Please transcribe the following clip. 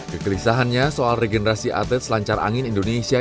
kegelisahannya soal regenerasi atlet selancar angin indonesia